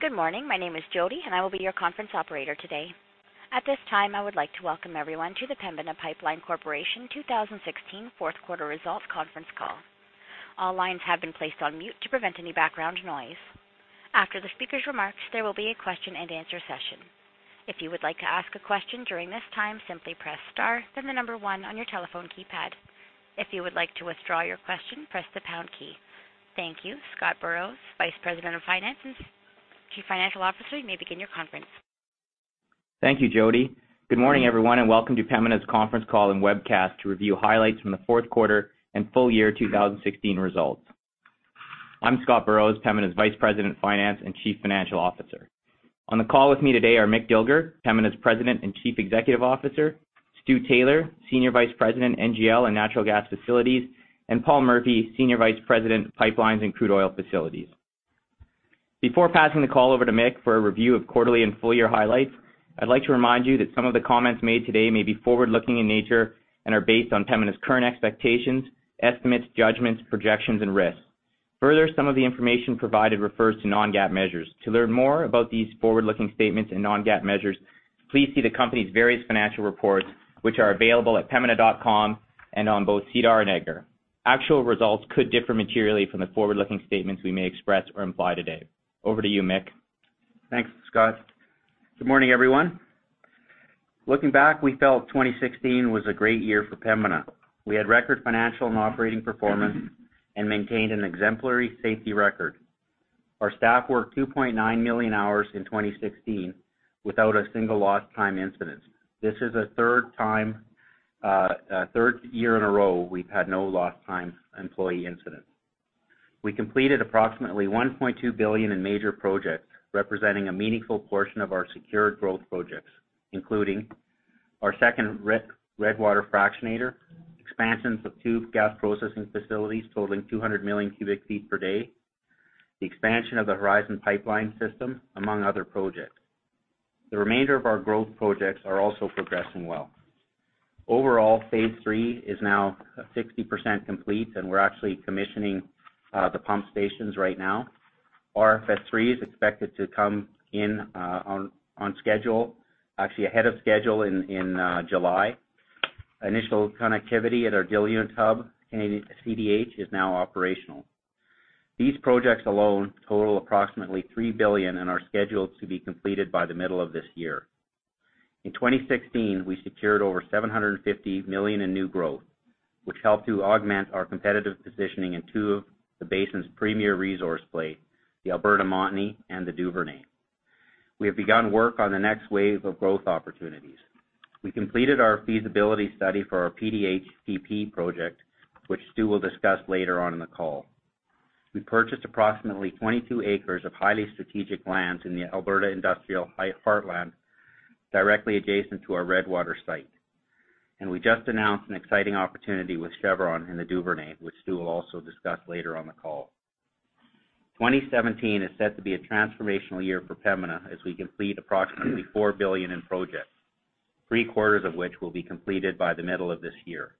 Good morning. My name is Jody, and I will be your conference operator today. At this time, I would like to welcome everyone to the Pembina Pipeline Corporation 2016 fourth quarter results conference call. All lines have been placed on mute to prevent any background noise. After the speaker's remarks, there will be a question and answer session. If you would like to ask a question during this time, simply press star, then one on your telephone keypad. If you would like to withdraw your question, press the pound key. Thank you. Scott Burrows, Vice President of Finance and Chief Financial Officer, you may begin your conference. Thank you, Jody. Good morning, everyone, and welcome to Pembina's conference call and webcast to review highlights from the fourth quarter and full year 2016 results. I'm Scott Burrows, Pembina's Vice President of Finance and Chief Financial Officer. On the call with me today are Mick Dilger, Pembina's President and Chief Executive Officer, Stuart Taylor, Senior Vice President, NGL and Natural Gas Facilities, and Paul Murphy, Senior Vice President, Pipelines and Crude Oil Facilities. Before passing the call over to Mick for a review of quarterly and full year highlights, I'd like to remind you that some of the comments made today may be forward-looking in nature and are based on Pembina's current expectations, estimates, judgments, projections, and risks. Further, some of the information provided refers to non-GAAP measures. To learn more about these forward-looking statements and non-GAAP measures, please see the company's various financial reports, which are available at pembina.com and on both SEDAR and EDGAR. Actual results could differ materially from the forward-looking statements we may express or imply today. Over to you, Mick. Thanks, Scott. Good morning, everyone. Looking back, we felt 2016 was a great year for Pembina. We had record financial and operating performance and maintained an exemplary safety record. Our staff worked 2.9 million hours in 2016 without a single lost time incident. This is the third year in a row we've had no lost time employee incident. We completed approximately 1.2 billion in major projects, representing a meaningful portion of our secured growth projects, including our second Redwater fractionator, expansions of two gas processing facilities totaling 200 million cubic feet per day, the expansion of the Horizon Pipeline system, among other projects. The remainder of our growth projects are also progressing well. Overall, Phase III is now 60% complete, and we're actually commissioning the pump stations right now. RFS III is expected to come in on schedule, actually ahead of schedule in July. Initial connectivity at our Diluent Hub, Canadian CDH, is now operational. These projects alone total approximately 3 billion and are scheduled to be completed by the middle of this year. In 2016, we secured over 750 million in new growth, which helped to augment our competitive positioning in two of the basin's premier resource plays, the Alberta Montney and the Duvernay. We have begun work on the next wave of growth opportunities. We completed our feasibility study for our PDH/PP project, which Stu will discuss later on in the call. We purchased approximately 22 acres of highly strategic lands in the Alberta Industrial Heartland, directly adjacent to our Redwater site. We just announced an exciting opportunity with Chevron in the Duvernay, which Stu will also discuss later on the call. 2017 is set to be a transformational year for Pembina as we complete approximately 4 billion in projects, three-quarters of which will be completed by the middle of this year.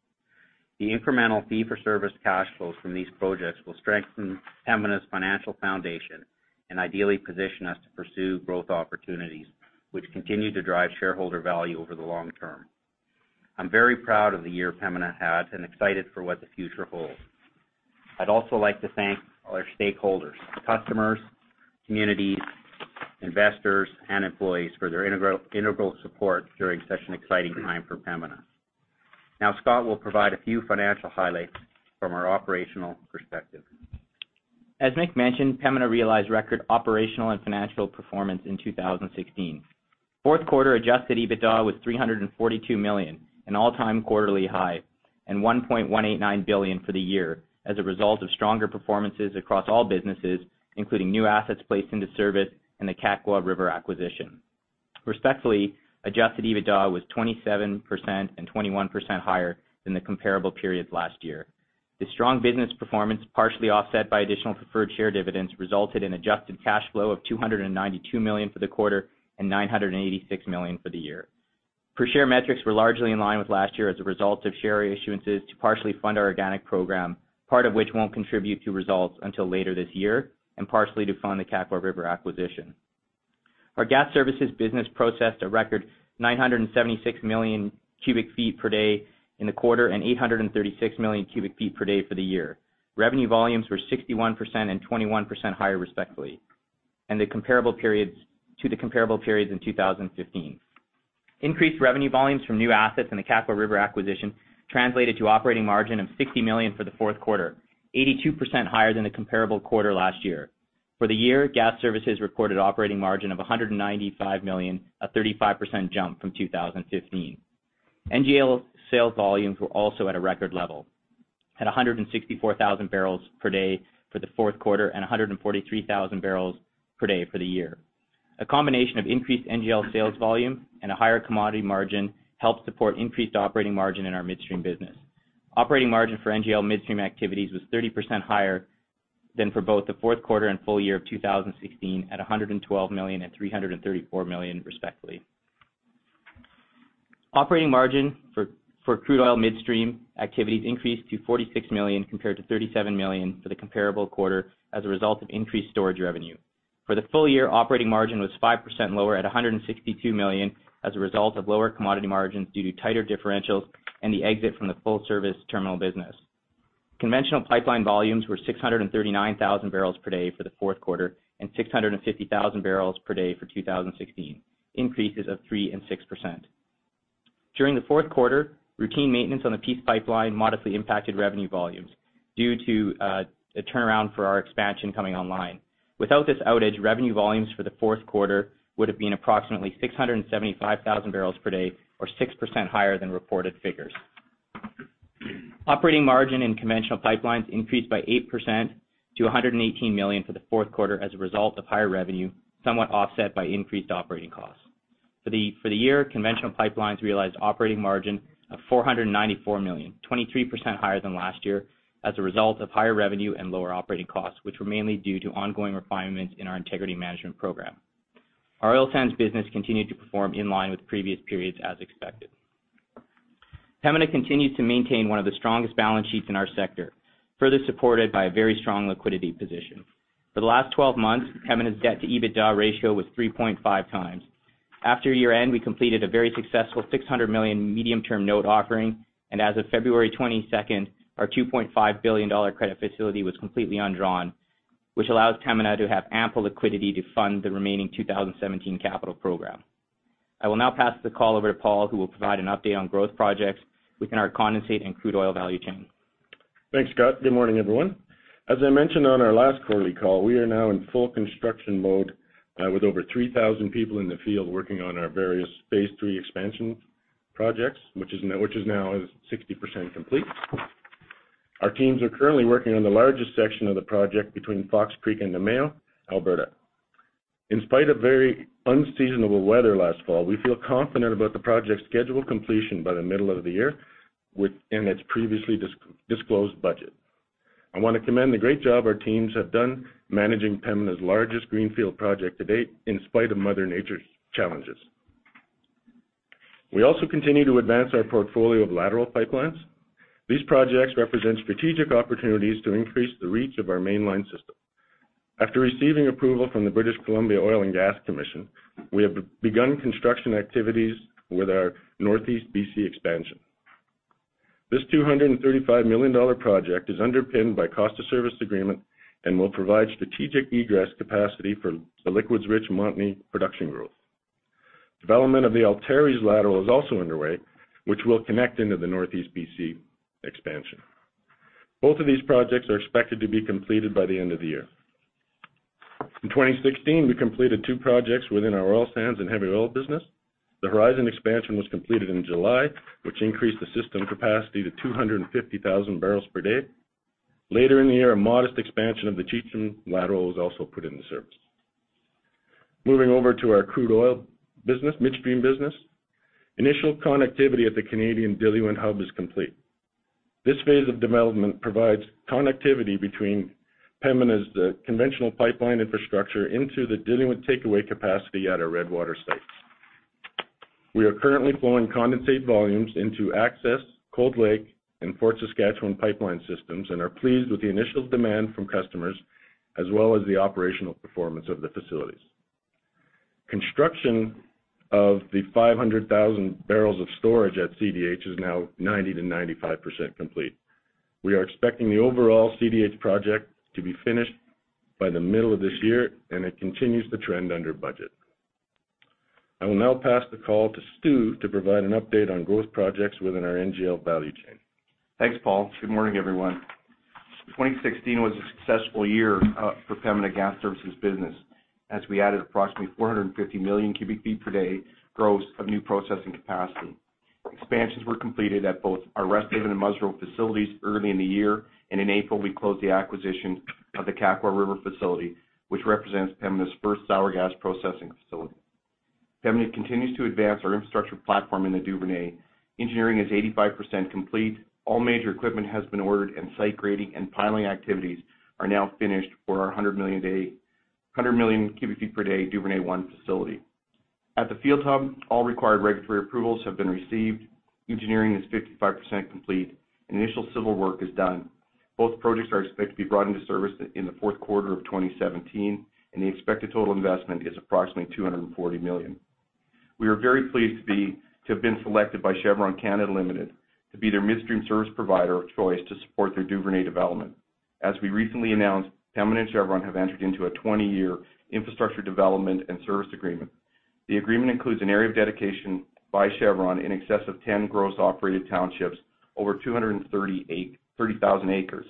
The incremental fee-for-service cash flows from these projects will strengthen Pembina's financial foundation and ideally position us to pursue growth opportunities, which continue to drive shareholder value over the long term. I'm very proud of the year Pembina had and excited for what the future holds. I'd also like to thank our stakeholders, customers, communities, investors, and employees for their integral support during such an exciting time for Pembina. Now, Scott will provide a few financial highlights from our operational perspective. As Mick mentioned, Pembina realized record operational and financial performance in 2015. Fourth quarter adjusted EBITDA was 342 million, an all-time quarterly high, and 1.189 billion for the year, as a result of stronger performances across all businesses, including new assets placed into service and the Kakwa acquisition. Respectively, adjusted EBITDA was 27% and 21% higher than the comparable periods last year. The strong business performance, partially offset by additional preferred share dividends, resulted in adjusted cash flow of 292 million for the quarter and 986 million for the year. Per share metrics were largely in line with last year as a result of share issuances to partially fund our organic program, part of which won't contribute to results until later this year, and partially to fund the Kakwa acquisition. Our gas services business processed a record 976 million cubic feet per day in the quarter and 836 million cubic feet per day for the year. Revenue volumes were 61% and 21% higher, respectively, to the comparable periods in 2015. Increased revenue volumes from new assets in the Kakwa acquisition translated to operating margin of 60 million for the fourth quarter, 82% higher than the comparable quarter last year. For the year, gas services recorded operating margin of 195 million, a 35% jump from 2015. NGL sales volumes were also at a record level, at 164,000 barrels per day for the fourth quarter and 143,000 barrels per day for the year. A combination of increased NGL sales volume and a higher commodity margin helped support increased operating margin in our midstream business. Operating margin for NGL midstream activities was 30% higher than for both the fourth quarter and full year of 2016 at 112 million and 334 million, respectively. Operating margin for crude oil midstream activities increased to 46 million compared to 37 million for the comparable quarter as a result of increased storage revenue. For the full year, operating margin was 5% lower at 162 million as a result of lower commodity margins due to tighter differentials and the exit from the full-service terminal business. Conventional pipeline volumes were 639,000 barrels per day for the fourth quarter and 650,000 barrels per day for 2016, increases of 3% and 6%. During the fourth quarter, routine maintenance on the Peace Pipeline modestly impacted revenue volumes due to a turnaround for our expansion coming online. Without this outage, revenue volumes for the fourth quarter would have been approximately 675,000 barrels per day, or 6% higher than reported figures. Operating margin in conventional pipelines increased by 8% to 118 million for the fourth quarter as a result of higher revenue, somewhat offset by increased operating costs. For the year, conventional pipelines realized operating margin of 494 million, 23% higher than last year as a result of higher revenue and lower operating costs, which were mainly due to ongoing refinements in our integrity management program. Our oil sands business continued to perform in line with previous periods as expected. Pembina continues to maintain one of the strongest balance sheets in our sector, further supported by a very strong liquidity position. For the last 12 months, Pembina's debt-to-EBITDA ratio was 3.5x. After year-end, we completed a very successful 600 million medium-term note offering, and as of February 22, our 2.5 billion dollar credit facility was completely undrawn, which allows Pembina to have ample liquidity to fund the remaining 2017 capital program. I will now pass the call over to Paul, who will provide an update on growth projects within our condensate and crude oil value chain. Thanks, Scott. Good morning, everyone. As I mentioned on our last quarterly call, we are now in full construction mode with over 3,000 people in the field working on our various Phase III expansion projects, which is now 60% complete. Our teams are currently working on the largest section of the project between Fox Creek and Namao, Alberta. In spite of very unseasonable weather last fall, we feel confident about the project's scheduled completion by the middle of the year within its previously disclosed budget. I want to commend the great job our teams have done managing Pembina's largest greenfield project to date in spite of mother nature's challenges. We also continue to advance our portfolio of lateral pipelines. These projects represent strategic opportunities to increase the reach of our mainline system. After receiving approval from the British Columbia Oil and Gas Commission, we have begun construction activities with our NEBC Expansion. This 235 million dollar project is underpinned by cost of service agreement and will provide strategic egress capacity for the liquids-rich Montney production growth. Development of the Alterra's lateral is also underway, which will connect into the NEBC Expansion. Both of these projects are expected to be completed by the end of the year. In 2016, we completed two projects within our oil sands and heavy oil business. The Horizon expansion was completed in July, which increased the system capacity to 250,000 barrels per day. Later in the year, a modest expansion of the Cheecham lateral was also put into service. Moving over to our crude oil midstream business, initial connectivity at the Canadian Diluent Hub is complete. This phase of development provides connectivity between Pembina's conventional pipeline infrastructure into the diluent takeaway capacity at our Redwater sites. We are currently flowing condensate volumes into Access, Cold Lake, and Fort Saskatchewan pipeline systems and are pleased with the initial demand from customers, as well as the operational performance of the facilities. Construction of the 500,000 barrels of storage at CDH is now 90%-95% complete. We are expecting the overall CDH project to be finished by the middle of this year, and it continues to trend under budget. I will now pass the call to Stu to provide an update on growth projects within our NGL value chain. Thanks, Paul. Good morning, everyone. 2016 was a successful year for Pembina Gas Services business as we added approximately 450 million cubic feet per day gross of new processing capacity. Expansions were completed at both our Resthaven and Musreau facilities early in the year, and in April, we closed the acquisition of the Kakwa facility, which represents Pembina's first sour gas processing facility. Pembina continues to advance our infrastructure platform in the Duvernay. Engineering is 85% complete. All major equipment has been ordered, and site grading and piling activities are now finished for our 100 million cubic feet per day Duvernay one facility. At the field hub, all required regulatory approvals have been received. Engineering is 55% complete, and initial civil work is done. Both projects are expected to be brought into service in the fourth quarter of 2017, and the expected total investment is approximately 240 million. We are very pleased to have been selected by Chevron Canada Limited to be their midstream service provider of choice to support their Duvernay development. As we recently announced, Pembina and Chevron have entered into a 20-year infrastructure development and service agreement. The agreement includes an area of dedication by Chevron in excess of 10 gross operated townships, over 230,000 acres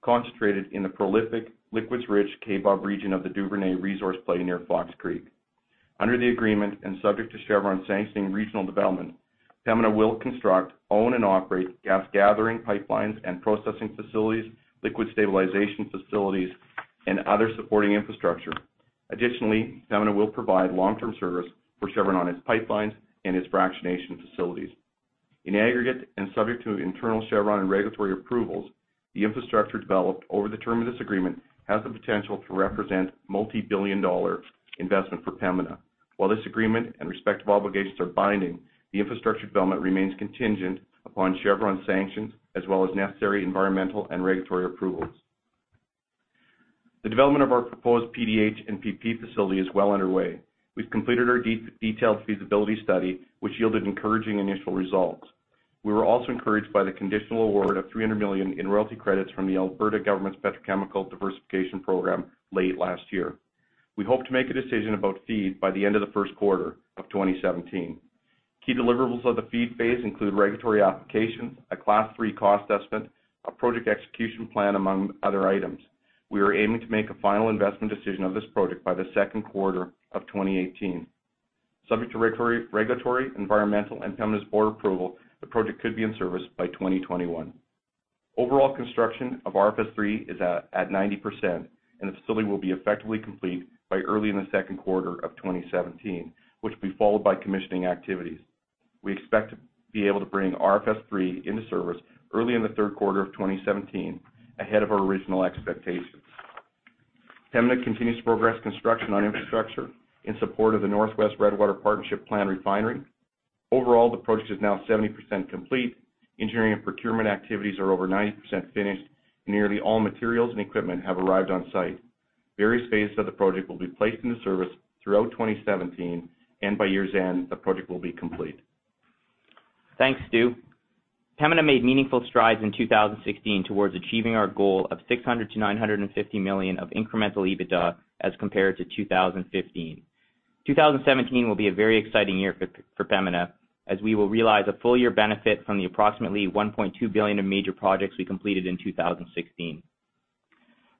concentrated in the prolific liquids rich Kaybob region of the Duvernay resource play near Fox Creek. Under the agreement and subject to Chevron sanctioning regional development, Pembina will construct, own, and operate gas gathering pipelines and processing facilities, liquid stabilization facilities, and other supporting infrastructure. Additionally, Pembina will provide long-term service for Chevron on its pipelines and its fractionation facilities. In aggregate and subject to internal Chevron and regulatory approvals, the infrastructure developed over the term of this agreement has the potential to represent multibillion-dollar investment for Pembina. While this agreement and respective obligations are binding, the infrastructure development remains contingent upon Chevron sanctions as well as necessary environmental and regulatory approvals. The development of our proposed PDH and PP facility is well underway. We've completed our detailed feasibility study, which yielded encouraging initial results. We were also encouraged by the conditional award of 300 million in royalty credits from the Alberta government's Petrochemicals Diversification Program late last year. We hope to make a decision about FEED by the end of the first quarter of 2017. Key deliverables of the FEED phase include regulatory applications, a Class III cost estimate, a project execution plan, among other items. We are aiming to make a final investment decision of this project by the second quarter of 2018. Subject to regulatory, environmental, and Pembina's board approval, the project could be in service by 2021. Overall construction of RFS III is at 90%, and the facility will be effectively complete by early in the second quarter of 2017, which will be followed by commissioning activities. We expect to be able to bring RFS III into service early in the third quarter of 2017, ahead of our original expectations. Pembina continues to progress construction on infrastructure in support of the North West Redwater Partnership's Sturgeon refinery. Overall, the project is now 70% complete. Engineering and procurement activities are over 90% finished. Nearly all materials and equipment have arrived on site. Various phases of the project will be placed into service throughout 2017, and by year's end, the project will be complete. Thanks, Stu. Pembina made meaningful strides in 2016 towards achieving our goal of 600 million-950 million of incremental EBITDA as compared to 2015. 2017 will be a very exciting year for Pembina, as we will realize a full-year benefit from the approximately 1.2 billion of major projects we completed in 2016.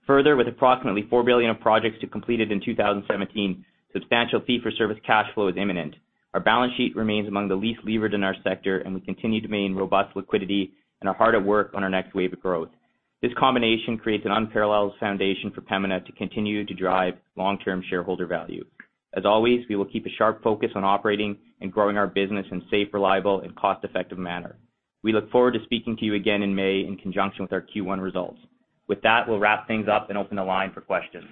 Further, with approximately 4 billion of projects to be completed in 2017, substantial fee-for-service cash flow is imminent. Our balance sheet remains among the least levered in our sector, and we continue to maintain robust liquidity and are hard at work on our next wave of growth. This combination creates an unparalleled foundation for Pembina to continue to drive long-term shareholder value. As always, we will keep a sharp focus on operating and growing our business in a safe, reliable, and cost-effective manner. We look forward to speaking to you again in May in conjunction with our Q1 results. With that, we'll wrap things up and open the line for questions.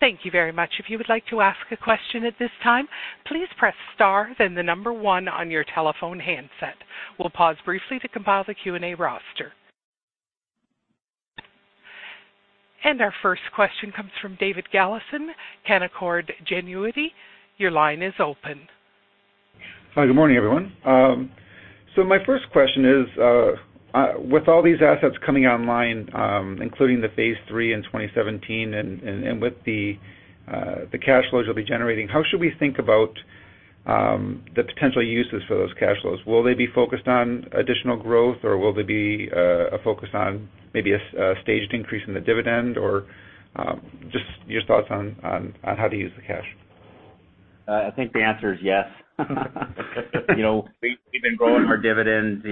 Thank you very much. If you would like to ask a question at this time, please press star then the number one on your telephone handset. We'll pause briefly to compile the Q&A roster. Our first question comes from David Galison, Canaccord Genuity. Your line is open. Hi, good morning, everyone. My first question is, with all these assets coming online, including the Phase III in 2017 and with the cash flows you'll be generating, how should we think about the potential uses for those cash flows? Will they be focused on additional growth, or will they be a focus on maybe a staged increase in the dividend? Or just your thoughts on how to use the cash. I think the answer is yes. We've been growing our dividends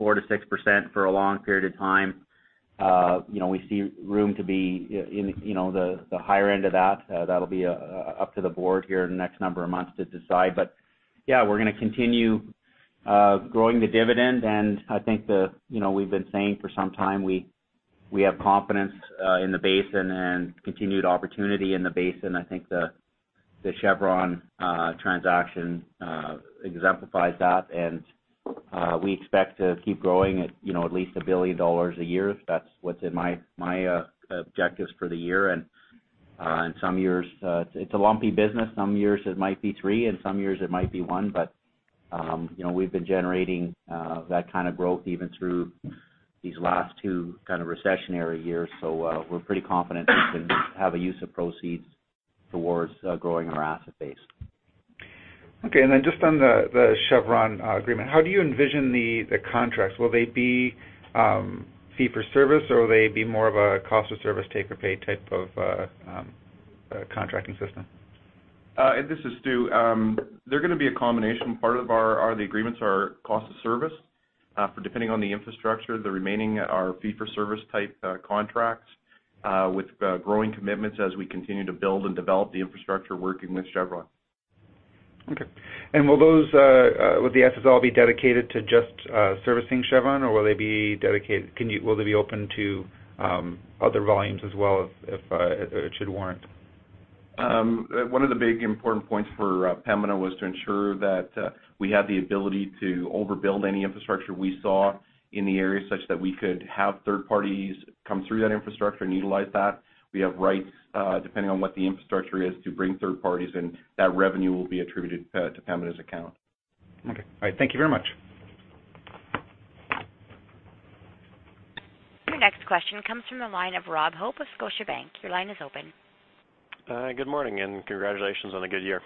4%-6% for a long period of time. We see room to be in the higher end of that. That'll be up to the board here in the next number of months to decide. Yeah, we're going to continue growing the dividend, and I think we've been saying for some time, we have confidence in the basin and continued opportunity in the basin. I think the Chevron transaction exemplifies that, and we expect to keep growing at least 1 billion dollars a year. That's what's in my objectives for the year, and some years. It's a lumpy business. Some years it might be 3 billion, and some years it might be 1 billion, but we've been generating that kind of growth even through these last two recessionary years. We're pretty confident we can have a use of proceeds towards growing our asset base. Okay, just on the Chevron agreement, how do you envision the contracts? Will they be fee for service, or will they be more of a cost of service take or pay type of contracting system? This is Stu. They're going to be a combination. Part of the agreements are cost of service, depending on the infrastructure. The remaining are fee-for-service type contracts, with growing commitments as we continue to build and develop the infrastructure working with Chevron. Okay. Will the FFL be dedicated to just servicing Chevron, or will they be open to other volumes as well if it should warrant? One of the big important points for Pembina was to ensure that we had the ability to overbuild any infrastructure we saw in the area, such that we could have third parties come through that infrastructure and utilize that. We have rights, depending on what the infrastructure is, to bring third parties, and that revenue will be attributed to Pembina's account. Okay. All right. Thank you very much. Your next question comes from the line of Rob Hope of Scotiabank. Your line is open. Good morning and congratulations on a good year.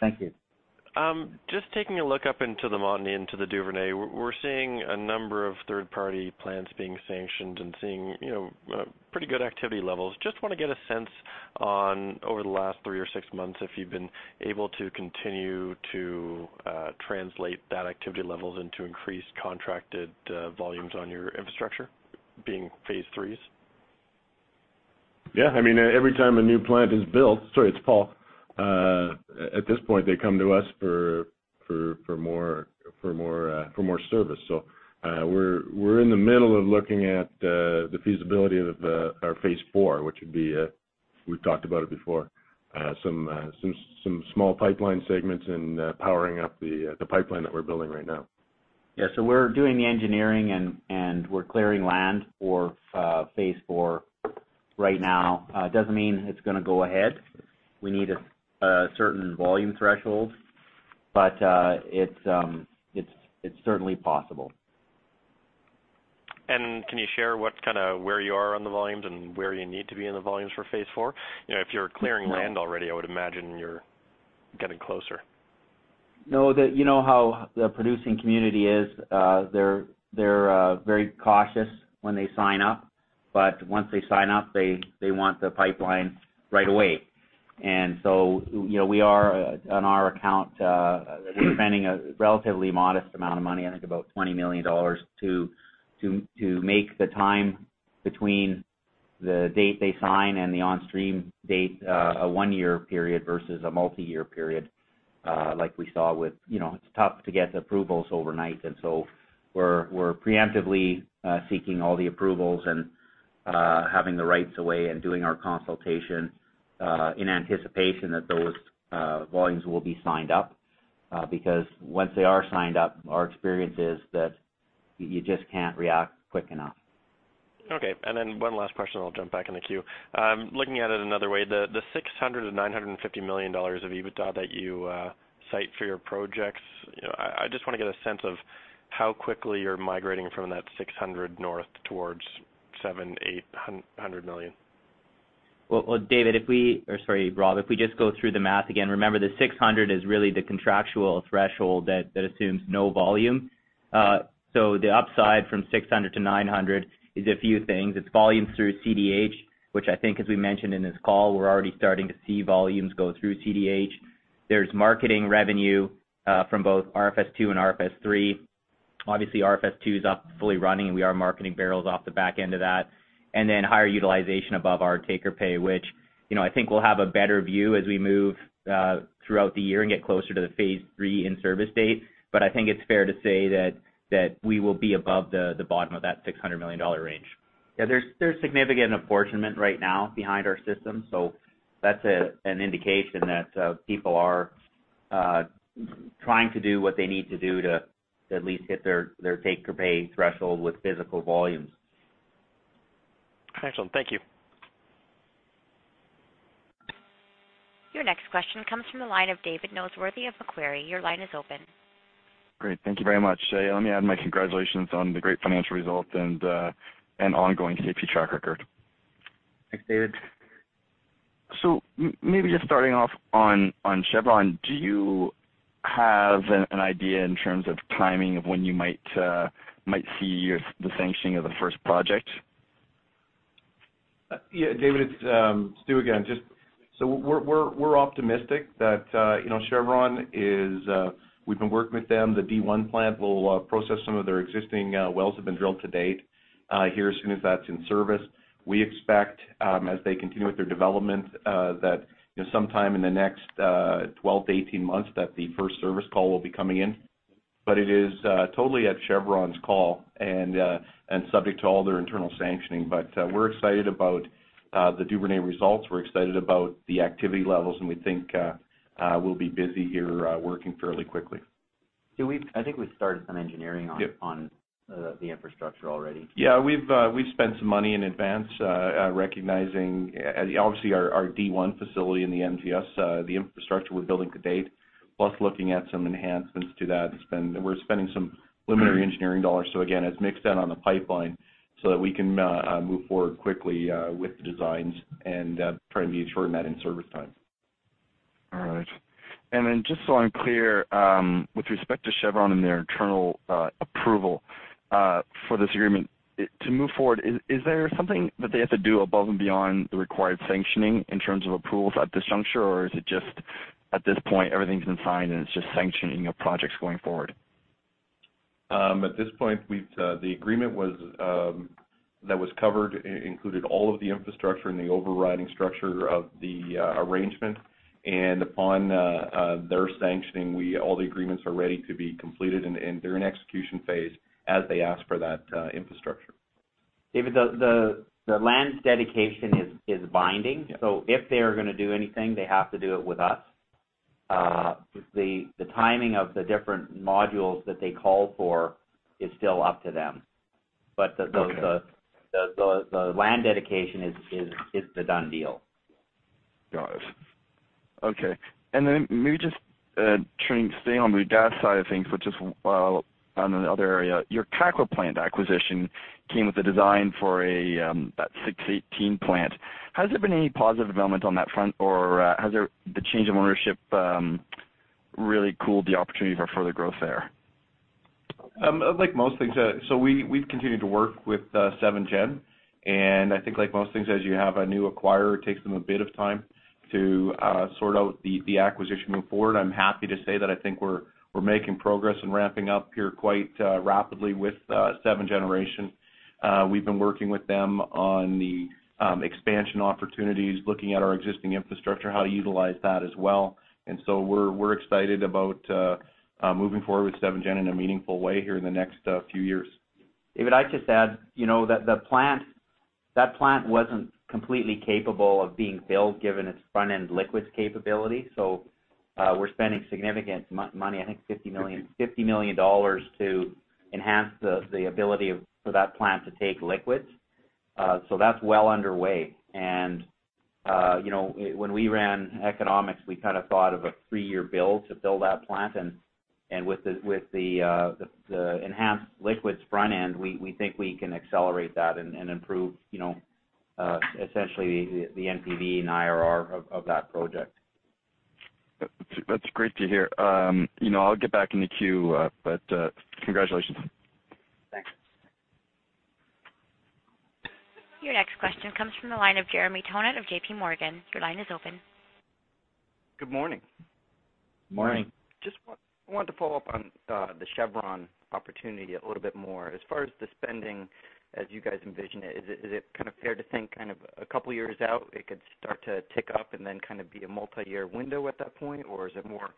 Thank you. Just taking a look up into the Montney, into the Duvernay, we're seeing a number of third-party plans being sanctioned and seeing pretty good activity levels. Just want to get a sense on, over the last three or six months, if you've been able to continue to translate that activity levels into increased contracted volumes on your infrastructure, being Phase III? Yeah. I mean, every time a new plant is built, sorry, it's Paul. At this point, they come to us for more service. We're in the middle of looking at the feasibility of our Phase IV, which would be, we've talked about it before, some small pipeline segments and powering up the pipeline that we're building right now. Yeah. We're doing the engineering, and we're clearing land for Phase IV right now. Doesn't mean it's going to go ahead. We need a certain volume threshold, but it's certainly possible. Can you share where you are on the volumes and where you need to be in the volumes for Phase IV? If you're clearing land already, I would imagine you're getting closer. No. You know how the producing community is. They're very cautious when they sign up. Once they sign up, they want the pipeline right away. We are, on our account, we're spending a relatively modest amount of money, I think about 20 million dollars, to make the time between the date they sign and the on-stream date a one-year period versus a multi-year period. It's tough to get approvals overnight, and so we're preemptively seeking all the approvals and having the rights of way and doing our consultation, in anticipation that those volumes will be signed up. Because once they are signed up, our experience is that you just can't react quick enough. Okay. One last question, and I'll jump back in the queue. Looking at it another way, the 600 million dollars and 950 million dollars of EBITDA that you cite for your projects, I just want to get a sense of how quickly you're migrating from that 600 North towards 700 million-800 million. Well, Rob, if we just go through the math again, remember the 600 million is really the contractual threshold that assumes no volume. The upside from 600 million to 900 million is a few things. It's volumes through CDH, which I think, as we mentioned in this call, we're already starting to see volumes go through CDH. There's marketing revenue from both RFS II and RFS III. Obviously, RFS II is up fully running, and we are marketing barrels off the back end of that. And then higher utilization above our take-or-pay, which I think we'll have a better view as we move throughout the year and get closer to the Phase III in-service date. I think it's fair to say that, we will be above the bottom of that 600 million dollar range. Yeah, there's significant apportionment right now behind our system. That's an indication that people are trying to do what they need to do to at least hit their take-or-pay threshold with physical volumes. Excellent. Thank you. Your next question comes from the line of David Noseworthy of Macquarie. Your line is open. Great. Thank you very much. Let me add my congratulations on the great financial results and ongoing safety track record. Thanks, David. Maybe just starting off on Chevron, do you have an idea in terms of timing of when you might see the sanctioning of the first project? Yeah, David, it's Stu again. We're optimistic that Chevron is. We've been working with them. The D1 plant will process some of their existing wells that have been drilled to date here as soon as that's in service. We expect, as they continue with their development, that sometime in the next 12-18 months that the first service call will be coming in. It is totally at Chevron's call and subject to all their internal sanctioning. We're excited about the Duvernay results. We're excited about the activity levels, and we think we'll be busy here working fairly quickly. I think we've started some engineering on Yep on the infrastructure already. Yeah, we've spent some money in advance, recognizing, obviously our D1 facility in the NGL, the infrastructure we're building to date, plus looking at some enhancements to that spend. We're spending some preliminary engineering dollars. Again, it's mixed in on the pipeline so that we can move forward quickly with the designs and try and be shortening that in-service time. All right. Just so I'm clear, with respect to Chevron and their internal approval for this agreement to move forward, is there something that they have to do above and beyond the required sanctioning in terms of approvals at this juncture, or is it just at this point, everything's been signed, and it's just sanctioning of projects going forward? At this point, the agreement that was covered included all of the infrastructure and the overriding structure of the arrangement. Upon their sanctioning, all the agreements are ready to be completed, and they're in execution phase as they ask for that infrastructure. David, the land dedication is binding. Yeah. If they are going to do anything, they have to do it with us. The timing of the different modules that they call for is still up to them. Okay. The land dedication is the done deal. Got it. Okay. Maybe just trying to stay on the gas side of things, but just on another area. Your Kakwa plant acquisition came with the design for that 6-18 plant. Has there been any positive development on that front, or has the change in ownership really cooled the opportunity for further growth there? Like most things, we've continued to work with Seven Generations, and I think like most things, as you have a new acquirer, it takes them a bit of time to sort out the acquisition moving forward. I'm happy to say that I think we're making progress and ramping up here quite rapidly with Seven Generations. We've been working with them on the expansion opportunities, looking at our existing infrastructure, how to utilize that as well. We're excited about moving forward with 7Gen in a meaningful way here in the next few years. David, I'd just add, that plant wasn't completely capable of being filled given its front-end liquids capability. We're spending significant money, I think 50 million, to enhance the ability for that plant to take liquids. That's well underway. When we ran economics, we thought of a three-year build to build that plant, and with the enhanced liquids front end, we think we can accelerate that and improve, essentially, the NPV and IRR of that project. That's great to hear. I'll get back in the queue, but congratulations. Thanks. Your next question comes from the line of Jeremy Tonet of J.P. Morgan. Your line is open. Good morning. Morning. Morning. Just wanted to follow up on the Chevron opportunity a little bit more. As far as the spending, as you guys envision it, is it fair to think a couple of years out, it could start to tick up and then be a multi-year window at that point? Or is it more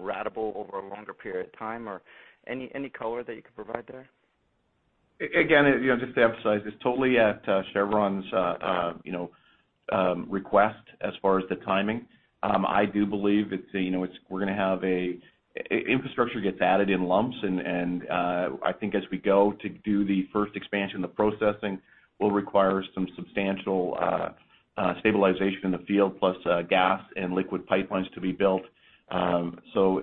ratable over a longer period of time? Or any color that you could provide there? Again, just to emphasize, it's totally at Chevron's request as far as the timing. I do believe infrastructure gets added in lumps, and I think as we go to do the first expansion, the processing will require some substantial stabilization in the field, plus gas and liquid pipelines to be built.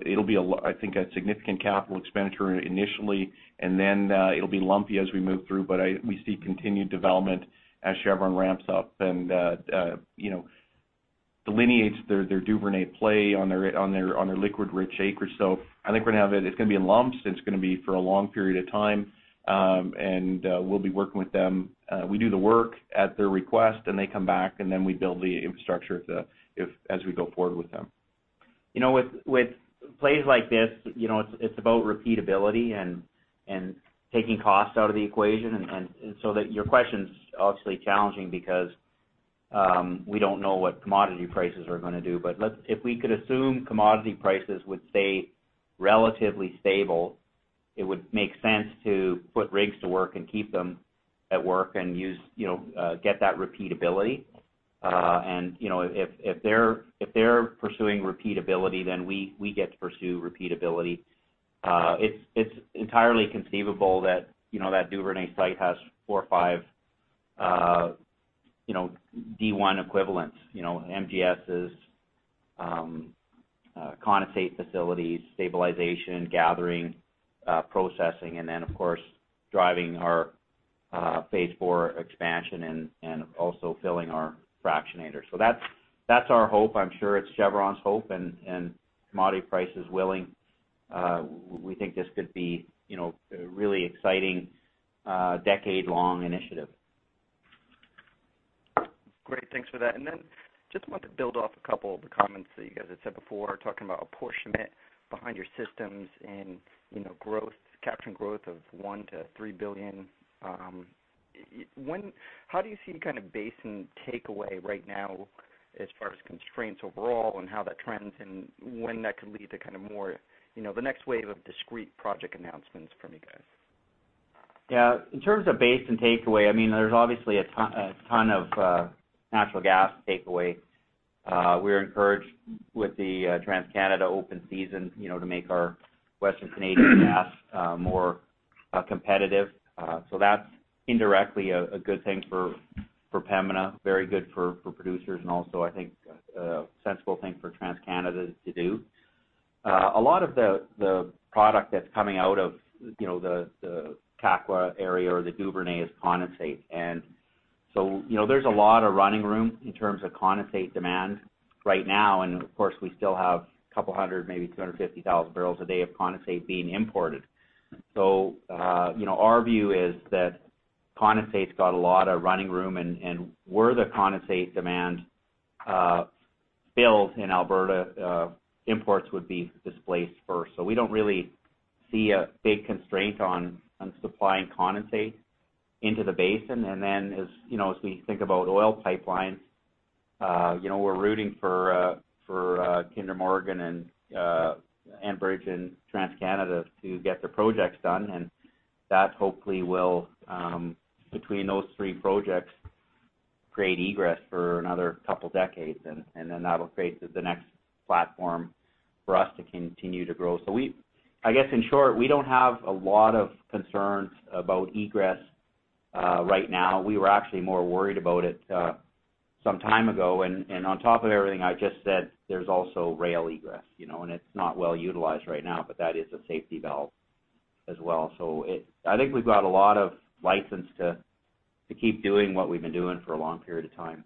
It'll be, I think, a significant capital expenditure initially, and then it'll be lumpy as we move through. We see continued development as Chevron ramps up and delineates their Duvernay play on their liquid-rich acreage. I think it's going to be in lumps, and it's going to be for a long period of time. We'll be working with them. We do the work at their request, then they come back, and then we build the infrastructure as we go forward with them. With plays like this, it's about repeatability and taking cost out of the equation. Your question's obviously challenging because we don't know what commodity prices are going to do. If we could assume commodity prices would stay relatively stable, it would make sense to put rigs to work and keep them at work and get that repeatability. If they're pursuing repeatability, then we get to pursue repeatability. It's entirely conceivable that Duvernay site has four or five D1 equivalents: MGS, condensate facilities, stabilization, gathering, processing, and then, of course, driving our Phase IV expansion and also filling our fractionator. That's our hope. I'm sure it's Chevron's hope, and commodity prices willing, we think this could be a really exciting decade-long initiative. Great. Thanks for that. Just wanted to build off a couple of the comments that you guys had said before, talking about apportionment behind your systems and capturing growth of 1-3 billion. How do you see basin takeaway right now as far as constraints overall, and how that trends, and when that could lead to the next wave of discrete project announcements from you guys? Yeah. In terms of basin takeaway, there's obviously a ton of natural gas takeaway. We're encouraged with the TransCanada open season to make our Western Canadian gas more competitive. That's indirectly a good thing for Pembina, very good for producers, and also, I think a sensible thing for TransCanada to do. A lot of the product that's coming out of the Cardium area or the Duvernay is condensate. There's a lot of running room in terms of condensate demand right now. Of course, we still have a couple of hundred, maybe 250,000 barrels a day of condensate being imported. Our view is that condensate's got a lot of running room, and were the condensate demand built in Alberta, imports would be displaced first. We don't really see a big constraint on supplying condensate into the basin. As we think about oil pipelines, we're rooting for Kinder Morgan and Enbridge and TransCanada to get their projects done. That hopefully will, between those three projects, create egress for another couple of decades, and then that'll create the next platform for us to continue to grow. I guess, in short, we don't have a lot of concerns about egress right now. We were actually more worried about it some time ago. On top of everything I just said, there's also rail egress. It's not well-utilized right now, but that is a safety valve as well. I think we've got a lot of license to keep doing what we've been doing for a long period of time.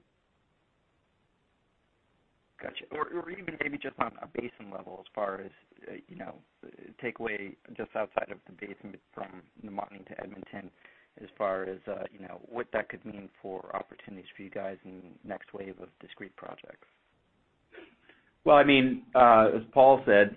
Got you. Even maybe just on a basin level as far as takeaway just outside of the basin from Namao to Edmonton, as far as what that could mean for opportunities for you guys in the next wave of discrete projects. Well, as Paul said,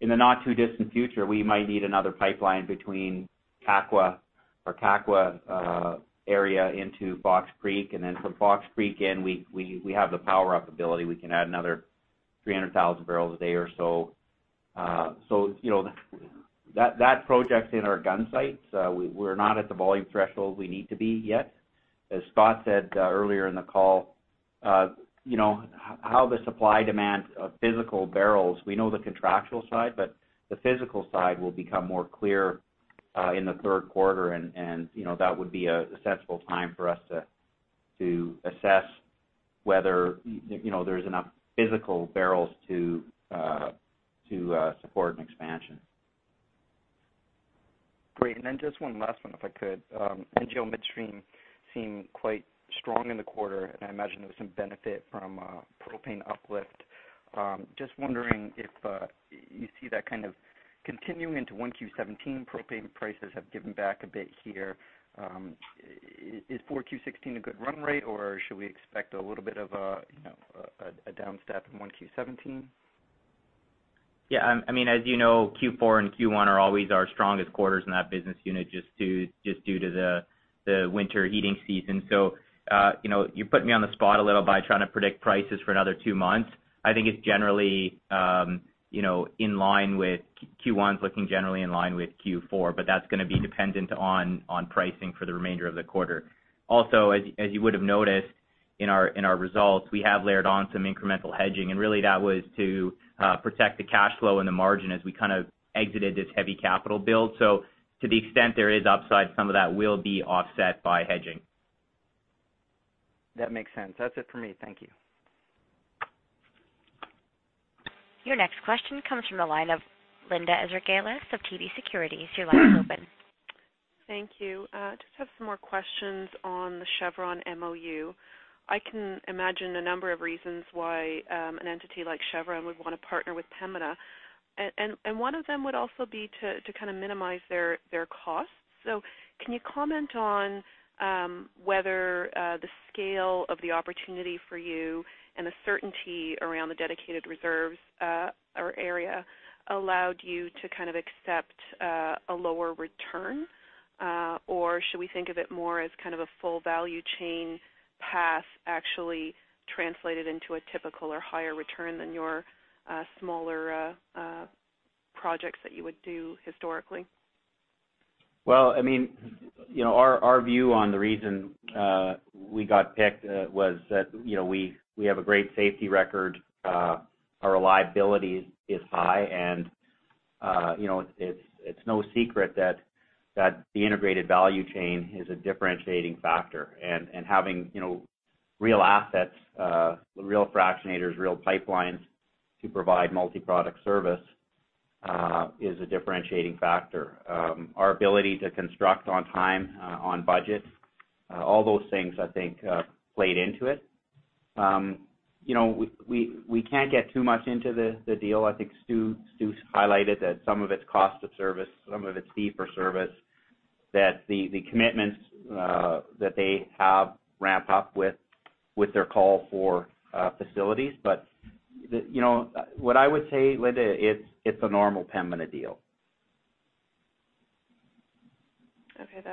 in the not too distant future, we might need another pipeline between Kakwa or Kakwa area into Fox Creek. From Fox Creek in, we have the power-up ability. We can add another 300,000 barrels a day or so. That project's in our gunsights. We're not at the volume threshold we need to be yet. As Scott said earlier in the call, how the supply and demand of physical barrels, we know the contractual side, but the physical side will become more clear in the third quarter, and that would be a sensible time for us to assess whether there's enough physical barrels to support an expansion. Great. Just one last one, if I could. NGL midstream seemed quite strong in the quarter, and I imagine there was some benefit from propane uplift. Just wondering if you see that kind of continuing into 1Q17. Propane prices have given back a bit here. Is 4Q16 a good run rate, or should we expect a little bit of a down step in 1Q17? Yeah. As you know, Q4 and Q1 are always our strongest quarters in that business unit, just due to the winter heating season. You're putting me on the spot a little by trying to predict prices for another two months. I think it's Q1's looking generally in line with Q4, but that's going to be dependent on pricing for the remainder of the quarter. Also, as you would have noticed in our results, we have layered on some incremental hedging, and really that was to protect the cash flow and the margin as we kind of exited this heavy capital build. To the extent there is upside, some of that will be offset by hedging. That makes sense. That's it for me. Thank you. Your next question comes from the line of Linda Ezergailis of TD Securities. Your line is open. Thank you. Just have some more questions on the Chevron MOU. I can imagine a number of reasons why an entity like Chevron would want to partner with Pembina, and one of them would also be to kind of minimize their costs. Can you comment on whether the scale of the opportunity for you and the certainty around the dedicated reserves or area allowed you to kind of accept a lower return? Or should we think of it more as kind of a full value chain path actually translated into a typical or higher return than your smaller projects that you would do historically? Well, our view on the reason we got picked was that we have a great safety record. Our reliability is high, and it's no secret that the integrated value chain is a differentiating factor. Having real assets, real fractionators, real pipelines to provide multi-product service is a differentiating factor. Our ability to construct on time, on budget, all those things I think played into it. We can't get too much into the deal. I think Stu's highlighted that some of it's cost of service, some of it's fee for service, that the commitments that they have ramp up with their call for facilities. What I would say, Linda, it's a normal Pembina deal. Okay.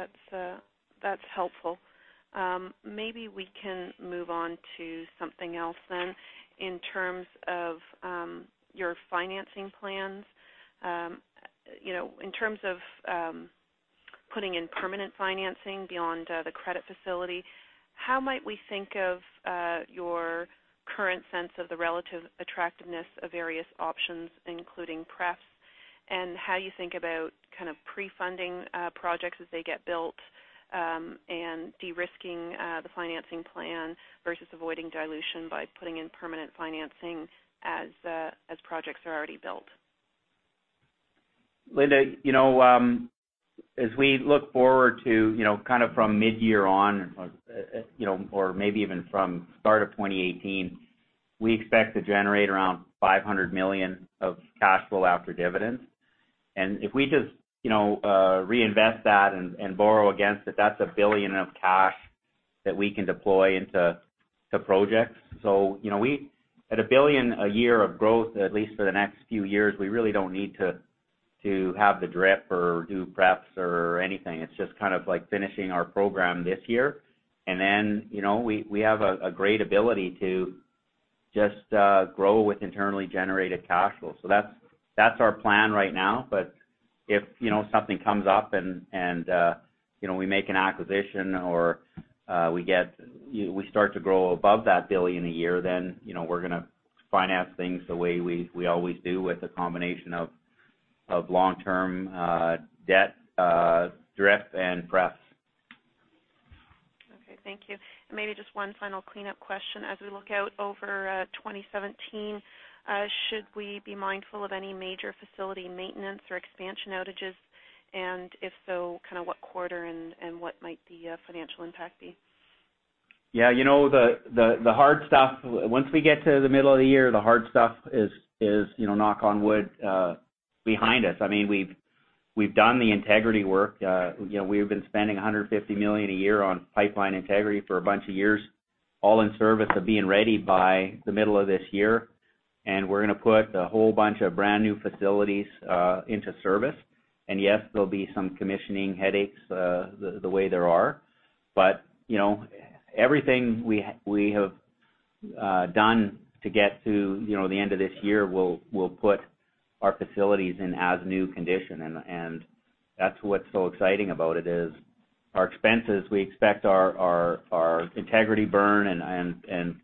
That's helpful. Maybe we can move on to something else then. In terms of your financing plans, in terms of putting in permanent financing beyond the credit facility, how might we think of your current sense of the relative attractiveness of various options, including pref, and how you think about kind of pre-funding projects as they get built, and de-risking the financing plan versus avoiding dilution by putting in permanent financing as projects are already built? Linda, as we look forward to kind of from mid-year on or maybe even from start of 2018, we expect to generate around 500 million of cash flow after dividends. If we just reinvest that and borrow against it, that's 1 billion of cash that we can deploy into projects. At 1 billion a year of growth, at least for the next few years, we really don't need to have the DRIP or do prefs or anything. It's just kind of like finishing our program this year. Then, we have a great ability to just grow with internally generated cash flow. That's our plan right now. If something comes up and we make an acquisition or we start to grow above 1 billion a year, then we're going to finance things the way we always do with a combination of long-term debt, DRIP and pref. Okay, thank you. Maybe just one final cleanup question. As we look out over 2017, should we be mindful of any major facility maintenance or expansion outages, and if so, kind of what quarter and what might the financial impact be? Yeah. Once we get to the middle of the year, the hard stuff is, knock on wood, behind us. We've done the integrity work. We have been spending 150 million a year on pipeline integrity for a bunch of years, all in service of being ready by the middle of this year. We're going to put a whole bunch of brand new facilities into service. Yes, there'll be some commissioning headaches, the way there are. Everything we have done to get to the end of this year will put our facilities in as new condition, and that's what's so exciting about it, is our expenses. We expect our integrity burn and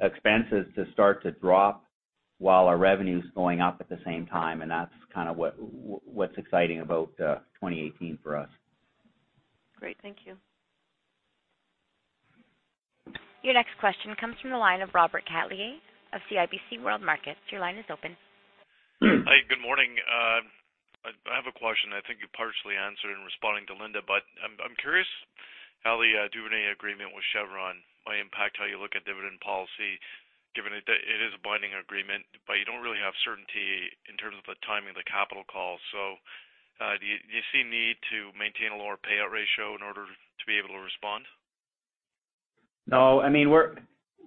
expenses to start to drop while our revenue's going up at the same time, and that's kind of what's exciting about 2018 for us. Great. Thank you. Your next question comes from the line of Robert Catellier of CIBC World Markets. Your line is open. Hi. Good morning. I have a question I think you partially answered in responding to Linda, but I'm curious how the Duvernay agreement with Chevron might impact how you look at dividend policy, given it is a binding agreement, but you don't really have certainty in terms of the timing of the capital call. Do you see a need to maintain a lower payout ratio in order to be able to respond? No.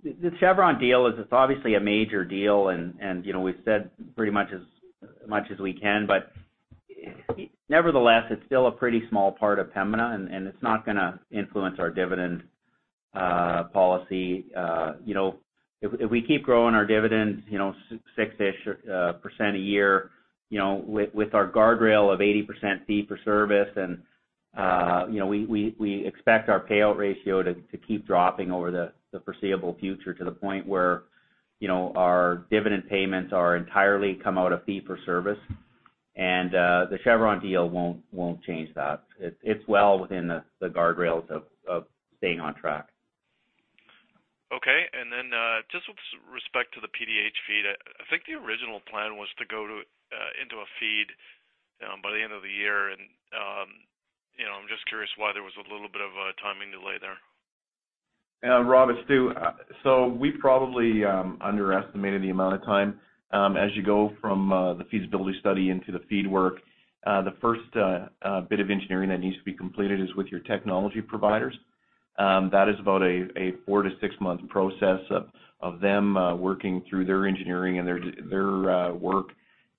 The Chevron deal is obviously a major deal, and we've said pretty much as much as we can, but nevertheless, it's still a pretty small part of Pembina, and it's not going to influence our dividend policy. If we keep growing our dividends 6%-ish a year with our guardrail of 80% fee for service and we expect our payout ratio to keep dropping over the foreseeable future to the point where our dividend payments are entirely come out of fee for service. The Chevron deal won't change that. It's well within the guardrails of staying on track. Okay. Just with respect to the PDH FEED, I think the original plan was to go into a FEED by the end of the year. I'm just curious why there was a little bit of a timing delay there. Rob, it's Stu. We probably underestimated the amount of time. As you go from the feasibility study into the FEED work, the first bit of engineering that needs to be completed is with your technology providers. That is about a four-six-month process of them working through their engineering and their work.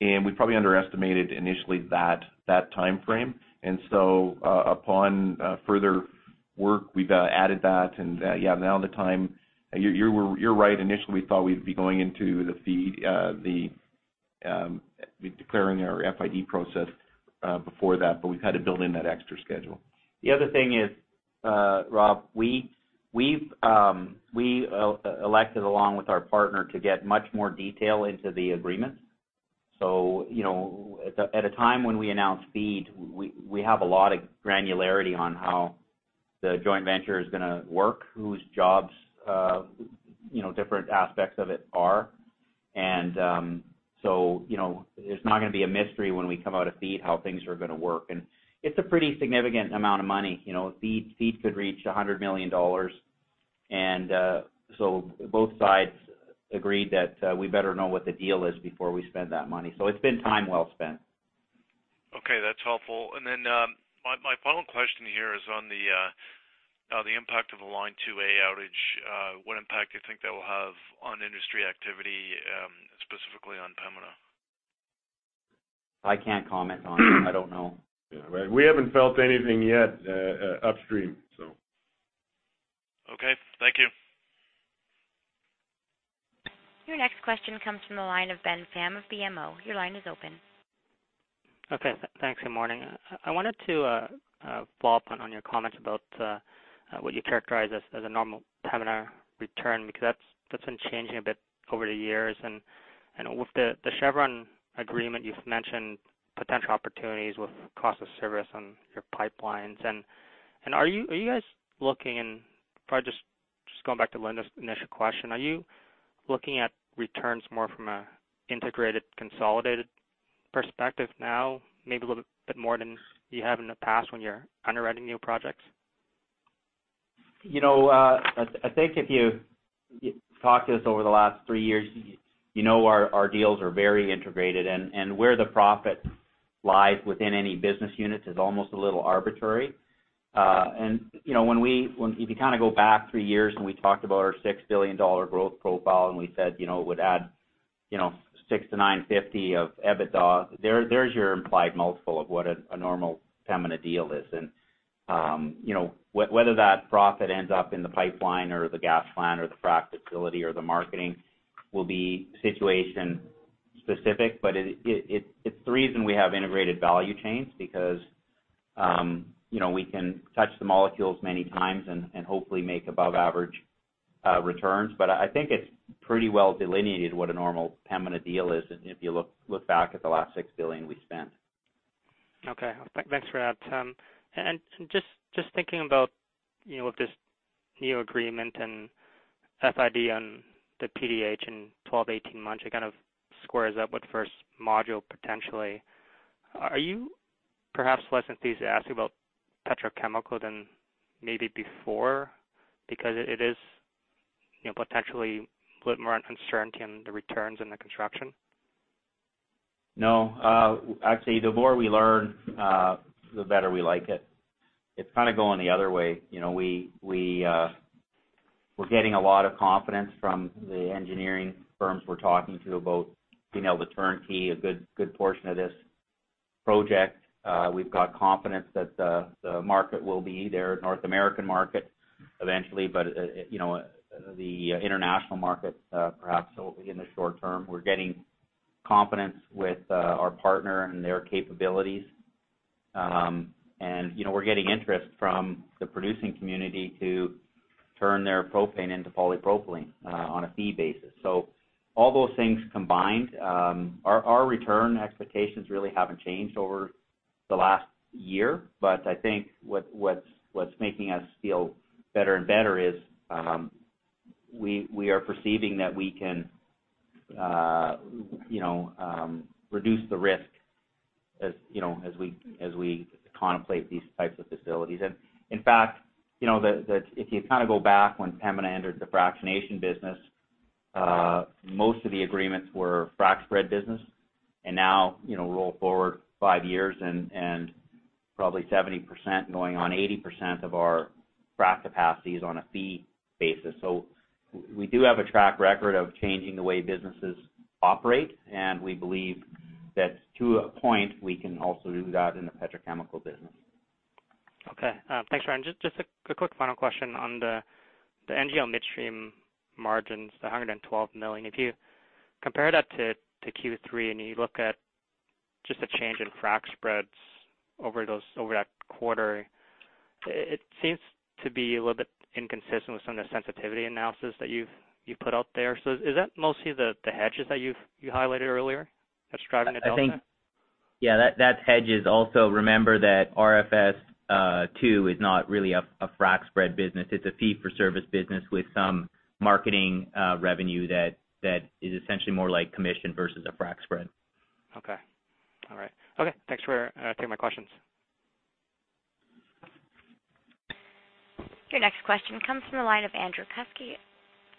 We probably underestimated initially that timeframe. Upon further work, we've added that and yeah, now the time. You're right. Initially, we thought we'd be going into the FEED, declaring our FID process before that, but we've had to build in that extra schedule. The other thing is Rob, we elected along with our partner to get much more detail into the agreement. At a time when we announce FEED, we have a lot of granularity on how the joint venture is going to work, whose jobs different aspects of it are. It's not going to be a mystery when we come out of FEED how things are going to work. It's a pretty significant amount of money. FEED could reach 100 million dollars. Both sides agreed that we better know what the deal is before we spend that money. It's been time well spent. Okay. That's helpful. My final question here is on the impact of the Line 2A outage. What impact do you think that will have on industry activity, specifically on Pembina? I can't comment on it. I don't know. We haven't felt anything yet upstream, so. Okay. Thank you. Your next question comes from the line of Ben Pham of BMO. Your line is open. Okay. Thanks. Good morning. I wanted to follow up on your comments about what you characterize as a normal Pembina return, because that's been changing a bit over the years. With the Chevron agreement, you've mentioned potential opportunities with cost of service on your pipelines. Are you guys looking and probably just going back to Linda's initial question, are you looking at returns more from an integrated, consolidated perspective now, maybe a little bit more than you have in the past when you're underwriting new projects? I think if you talked to us over the last three years, you know our deals are very integrated, and where the profit lies within any business unit is almost a little arbitrary. If you go back three years, and we talked about our 6 billion dollar growth profile, and we said it would add 650-950 of EBITDA, there's your implied multiple of what a normal Pembina deal is. Whether that profit ends up in the pipeline or the gas plant or the frac facility or the marketing will be situation specific, but it's the reason we have integrated value chains, because we can touch the molecules many times and hopefully make above average returns. I think it's pretty well delineated what a normal Pembina deal is, and if you look back at the last 6 billion we spent. Okay. Thanks for that. Just thinking about with this new agreement and FID on the PDH in 12-18 months, it kind of squares up with first module potentially. Are you perhaps less enthusiastic about petrochemical than maybe before? Because it is You know, potentially put more uncertainty in the returns in the construction? No. Actually, the more we learn, the better we like it. It's kind of going the other way. We're getting a lot of confidence from the engineering firms we're talking to about being able to turnkey a good portion of this project. We've got confidence that the market will be there, North American market eventually, but the international market perhaps it will be in the short term. We're getting confidence with our partner and their capabilities. We're getting interest from the producing community to turn their propane into polypropylene on a fee basis. All those things combined, our return expectations really haven't changed over the last year. I think what's making us feel better and better is we are perceiving that we can reduce the risk as we contemplate these types of facilities. In fact, if you kind of go back when Pembina entered the fractionation business, most of the agreements were frac spread business. Now, roll forward five years and probably 70% going on 80% of our frac capacity is on a fee basis. We do have a track record of changing the way businesses operate, and we believe that to a point, we can also do that in the petrochemical business. Okay. Thanks, Ryan. Just a quick final question on the NGL midstream margins, the 112 million. If you compare that to Q3 and you look at just the change in frac spreads over that quarter, it seems to be a little bit inconsistent with some of the sensitivity analysis that you've put out there. Is that mostly the hedges that you highlighted earlier describing the delta? I think, yeah, that's hedges. Also, remember that RFS II is not really a frac spread business. It's a fee-for-service business with some marketing revenue that is essentially more like commission versus a frac spread. Okay. All right. Okay, thanks for taking my questions. Your next question comes from the line of Andrew Kuske,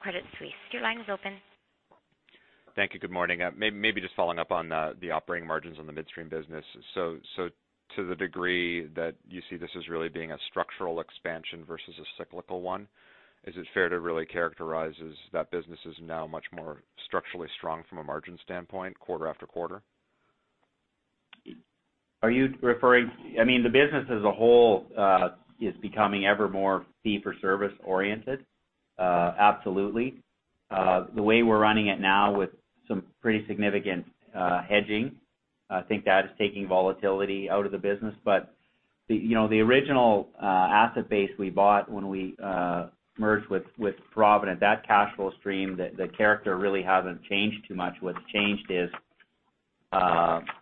Credit Suisse. Your line is open. Thank you. Good morning. Maybe just following up on the operating margins on the midstream business. To the degree that you see this as really being a structural expansion versus a cyclical one, is it fair to really characterize that business is now much more structurally strong from a margin standpoint quarter after quarter? I mean, the business as a whole is becoming ever more fee-for-service oriented. Absolutely. The way we're running it now with some pretty significant hedging, I think that is taking volatility out of the business. The original asset base we bought when we merged with Provident, that cash flow stream, the character really hasn't changed too much. What's changed is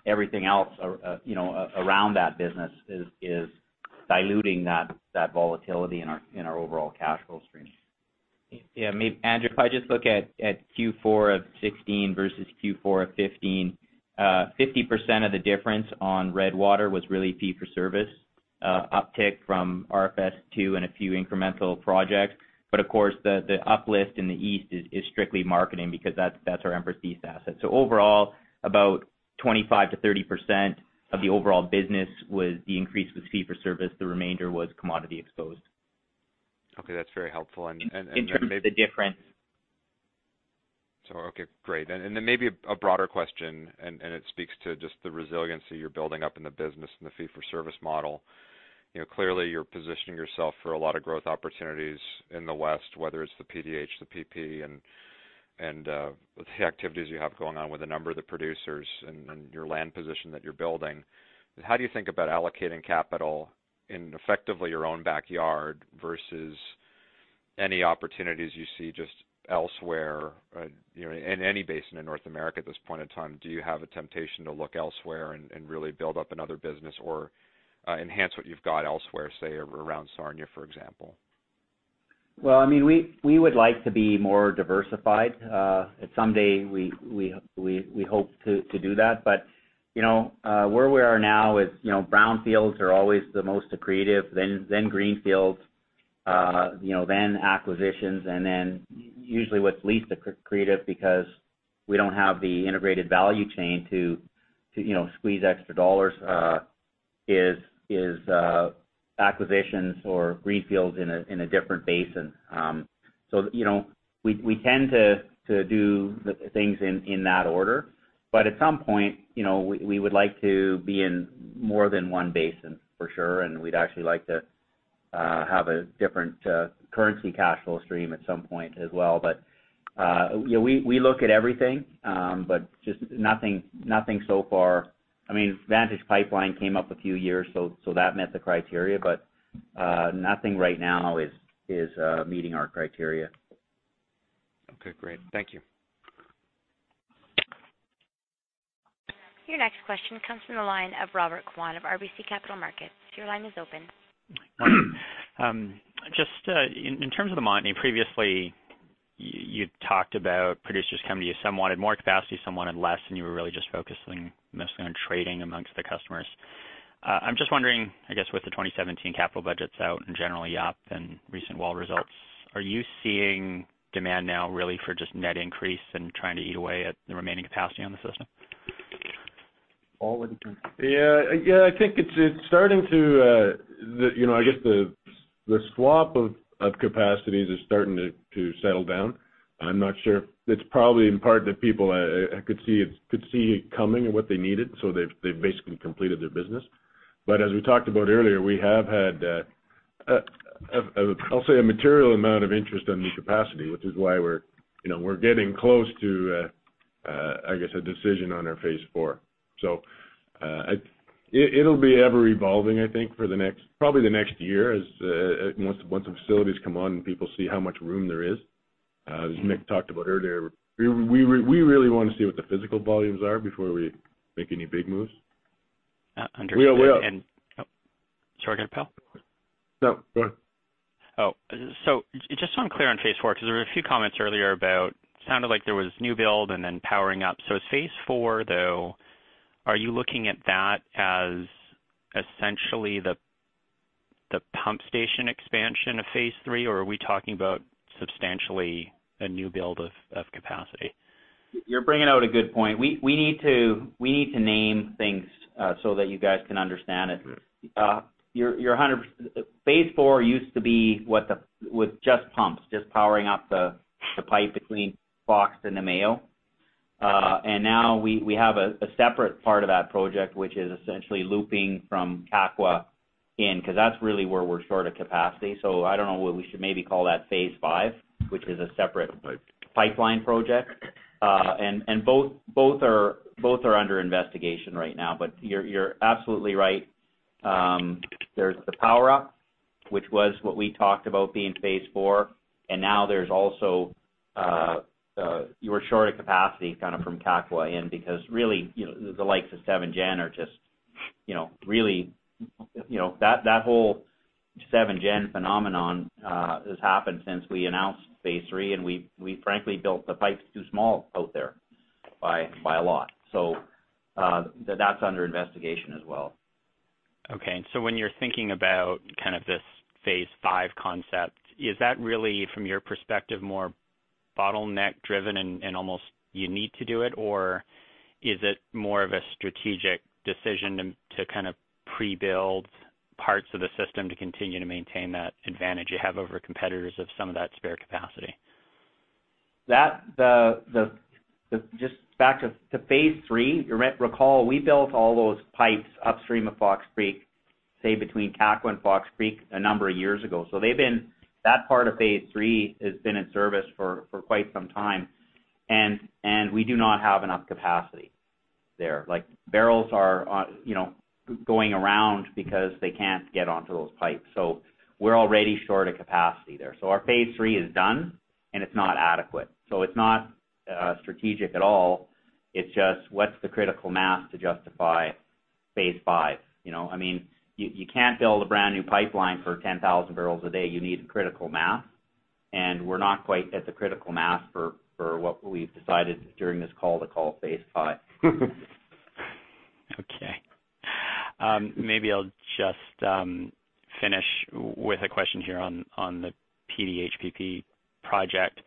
everything else around that business is diluting that volatility in our overall cash flow stream. Yeah. Andrew, if I just look at Q4 of 2016 versus Q4 of 2015, 50% of the difference on Redwater was really fee-for-service uptick from RFS II and a few incremental projects. Of course, the uplift in the East is strictly marketing because that's our Empress East asset. Overall, about 25%-30% of the overall business was the increase with fee-for-service. The remainder was commodity exposed. Okay. That's very helpful. In terms of the difference. Okay. Great. Then maybe a broader question, and it speaks to just the resiliency you're building up in the business and the fee-for-service model. Clearly you're positioning yourself for a lot of growth opportunities in the West, whether it's the PDH, the PP, and the activities you have going on with a number of the producers and your land position that you're building. How do you think about allocating capital in effectively your own backyard versus any opportunities you see just elsewhere in any basin in North America at this point in time? Do you have a temptation to look elsewhere and really build up another business or enhance what you've got elsewhere, say around Sarnia, for example? Well, we would like to be more diversified. Someday we hope to do that. Where we are now is brownfields are always the most accretive, then greenfields, then acquisitions, and then usually what's least accretive because we don't have the integrated value chain to squeeze extra dollars is acquisitions or greenfields in a different basin. We tend to do the things in that order. At some point we would like to be in more than one basin for sure. We'd actually like to have a different currency cash flow stream at some point as well. We look at everything, but just nothing so far, I mean, Vantage Pipeline came up a few years, so that met the criteria. Nothing right now is meeting our criteria. Okay, great. Thank you. Your next question comes from the line of Robert Kwan of RBC Capital Markets. Your line is open. Just in terms of the Montney, previously you talked about producers coming to you, some wanted more capacity, some wanted less, and you were really just focusing mostly on trading amongst the customers. I'm just wondering, I guess, with the 2017 capital budgets out in general, yep, and recent well results, are you seeing demand now really for just net increase and trying to eat away at the remaining capacity on the system? Paul, want to. Yeah. I guess the swap of capacities is starting to settle down. I'm not sure. It's probably in part that people could see it coming and what they needed, so they've basically completed their business. As we talked about earlier, we have had, I'll say, a material amount of interest in new capacity, which is why we're getting close to, I guess, a decision on our Phase IV. It'll be ever-evolving, I think, for probably the next year, once the facilities come on and people see how much room there is. As Mick talked about earlier, we really want to see what the physical volumes are before we make any big moves. Understood. We- Oh, sorry, go ahead, Paul. No. Go ahead. Just so I'm clear on Phase IV, because there were a few comments earlier about, sounded like there was new build and then powering up. Are you looking at that as essentially the pump station expansion of Phase III, or are we talking about substantially a new build of capacity? You're bringing out a good point. We need to name things so that you guys can understand it. Mm-hmm. You're 100%. Phase IV used to be with just pumps, just powering up the pipe between Fox Creek and Namao. Now we have a separate part of that project, which is essentially looping from Kakwa in, because that's really where we're short of capacity. I don't know, we should maybe call that Phase V, which is a separate pipeline project. Both are under investigation right now. You're absolutely right. There's the power-up, which was what we talked about being Phase IV, and now there's also, you are short of capacity from Kakwa in, because really, the likes of 7Gen are just really. That whole 7Gen phenomenon has happened since we announced Phase III, and we frankly built the pipes too small out there by a lot. That's under investigation as well. Okay. When you're thinking about kind of this Phase V concept, is that really, from your perspective, more bottleneck driven and almost you need to do it? Or is it more of a strategic decision to kind of pre-build parts of the system to continue to maintain that advantage you have over competitors of some of that spare capacity? Just back to Phase III, you might recall we built all those pipes upstream of Fox Creek, say between Kakwa and Fox Creek, a number of years ago. That part of Phase III has been in service for quite some time, and we do not have enough capacity there. Barrels are going around because they can't get onto those pipes. We're already short of capacity there. Our Phase III is done, and it's not adequate. It's not strategic at all. It's just what's the critical mass to justify Phase V? You can't build a brand new pipeline for 10,000 barrels a day. You need critical mass, and we're not quite at the critical mass for what we've decided during this call to call Phase V. Okay. Maybe I'll just finish with a question here on the PDH/PP project.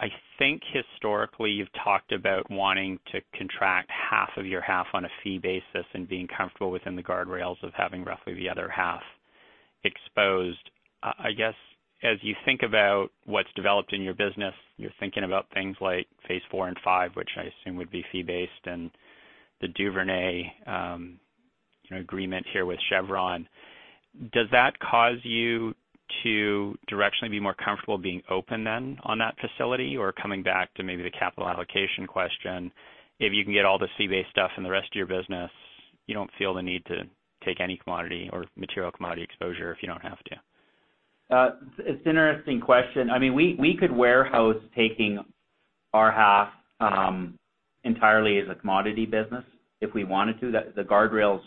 I think historically you've talked about wanting to contract half of your half on a fee basis and being comfortable within the guardrails of having roughly the other half exposed. I guess, as you think about what's developed in your business, you're thinking about things like Phase IV and V, which I assume would be fee-based, and the Duvernay agreement here with Chevron. Does that cause you to directionally be more comfortable being open then on that facility? Or coming back to maybe the capital allocation question, if you can get all the fee-based stuff in the rest of your business, you don't feel the need to take any commodity or material commodity exposure if you don't have to? It's an interesting question. We could warehouse taking our half entirely as a commodity business if we wanted to. The guardrails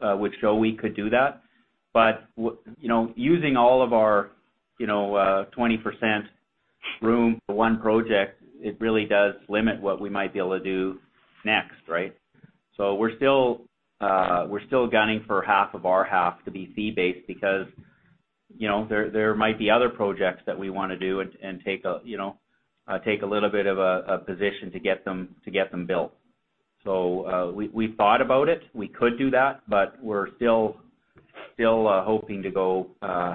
would show we could do that. Using all of our 20% room for one project, it really does limit what we might be able to do next, right? We're still gunning for half of our half to be fee-based because there might be other projects that we want to do and take a little bit of a position to get them built. We've thought about it. We could do that, but we're still hoping to go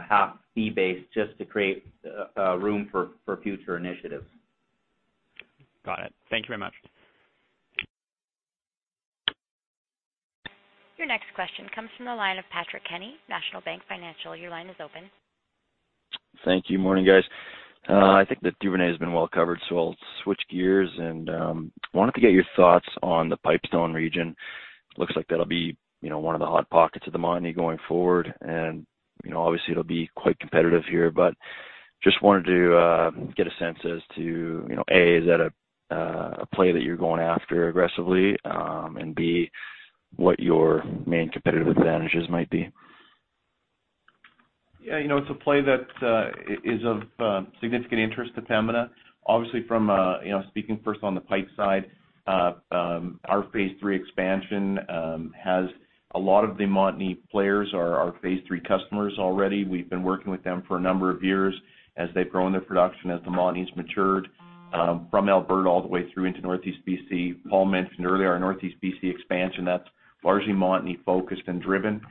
half fee-based just to create room for future initiatives. Got it. Thank you very much. Your next question comes from the line of Patrick Kenny, National Bank Financial. Your line is open. Thank you. Morning, guys. I think the Duvernay has been well covered, so I'll switch gears and wanted to get your thoughts on the Pipestone region. Looks like that'll be one of the hot pockets of the Montney going forward, and obviously it'll be quite competitive here. Just wanted to get a sense as to, A, is that a play that you're going after aggressively, and B, what your main competitive advantages might be? Yeah, it's a play that is of significant interest to Pembina. Obviously, speaking first on the pipe side, our Phase III expansion has a lot of the Montney players as our Phase III customers already. We've been working with them for a number of years as they've grown their production, as the Montney's matured from Alberta all the way through into northeast B.C. Paul mentioned earlier our northeast B.C. expansion, that's largely Montney focused and driven.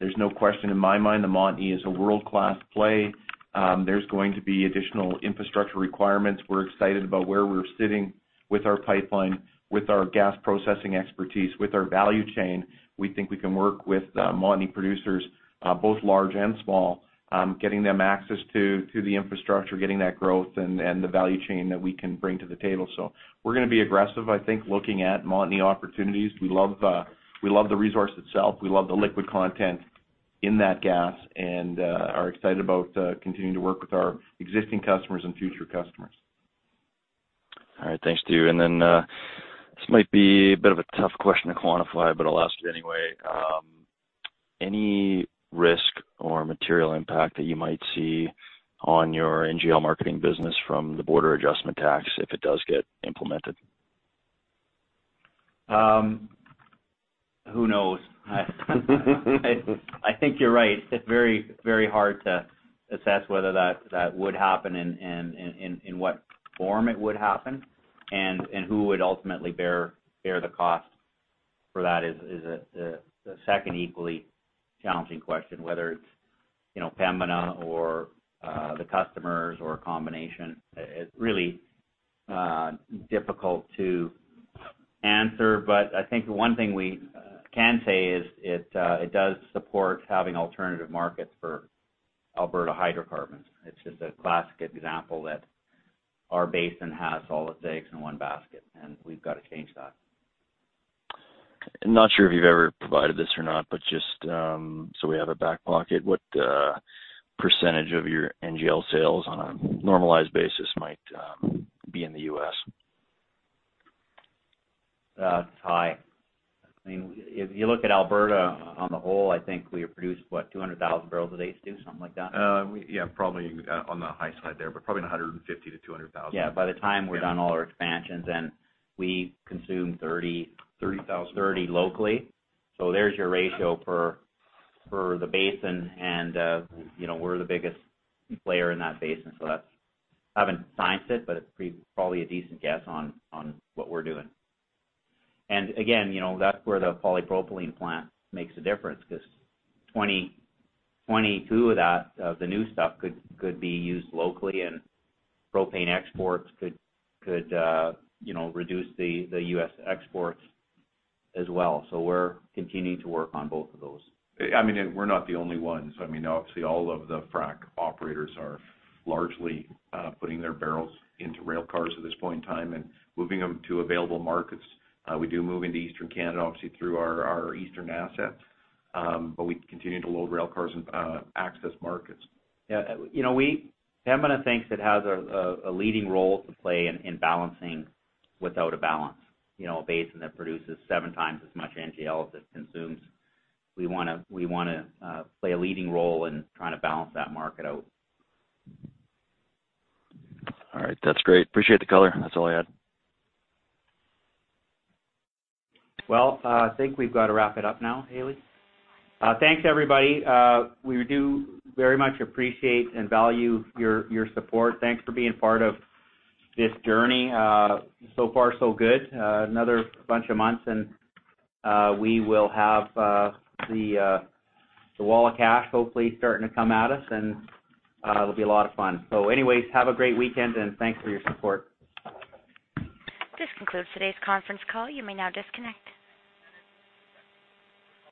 There's no question in my mind, the Montney is a world-class play. There's going to be additional infrastructure requirements. We're excited about where we're sitting with our pipeline, with our gas processing expertise, with our value chain. We think we can work with Montney producers, both large and small, getting them access to the infrastructure, getting that growth and the value chain that we can bring to the table. We're going to be aggressive, I think, looking at Montney opportunities. We love the resource itself. We love the liquid content in that gas and are excited about continuing to work with our existing customers and future customers. All right. Thanks, Stu. This might be a bit of a tough question to quantify, but I'll ask it anyway. Any risk or material impact that you might see on your NGL marketing business from the border adjustment tax if it does get implemented? Who knows? I think you're right. It's very hard to assess whether that would happen and in what form it would happen. Who would ultimately bear the cost for that is the second equally challenging question, whether it's Pembina or the customers or a combination. Really difficult to answer. I think the one thing we can say is it does support having alternative markets for Alberta hydrocarbons. It's just a classic example that our basin has all its eggs in one basket, and we've got to change that. I'm not sure if you've ever provided this or not, but just so we have a back pocket, what percentage of your NGL sales on a normalized basis might be in the U.S.? It's high. If you look at Alberta on the whole, I think we produce, what, 200,000 barrels a day, Stu? Something like that? Yeah, probably on the high side there, but probably 150,000-200,000. Yeah. By the time we're done all our expansions and we consume 30- 30,000 locally. There's your ratio for the basin, and we're the biggest player in that basin. I haven't science'd it, but it's probably a decent guess on what we're doing. Again, that's where the polypropylene plant makes a difference because 22% of the new stuff could be used locally and propane exports could reduce the U.S. exports as well. We're continuing to work on both of those. We're not the only ones. Obviously, all of the frac operators are largely putting their barrels into rail cars at this point in time and moving them to available markets. We do move into Eastern Canada, obviously, through our Eastern assets. We continue to load rail cars and access markets. Yeah. Pembina thinks it has a leading role to play in balancing an out-of-balance basin that produces seven times as much NGL as it consumes. We want to play a leading role in trying to balance that market out. All right. That's great. Appreciate the color. That's all I had. Well, I think we've got to wrap it up now, Hailey. Thanks, everybody. We do very much appreciate and value your support. Thanks for being part of this journey. Far so good. Another bunch of months and we will have the wall of cash hopefully starting to come at us, and it'll be a lot of fun. Anyways, have a great weekend, and thanks for your support. This concludes today's conference call. You may now disconnect.